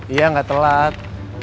iya ga telat